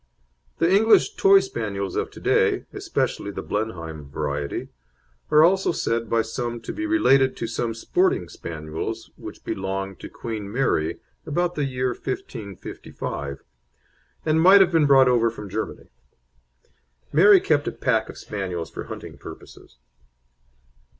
The English Toy Spaniels of to day, especially the Blenheim variety, are also said by some to be related to some sporting Spaniels which belonged to Queen Mary about the year 1555, and might have been brought over from Germany. Mary kept a pack of Spaniels for hunting purposes.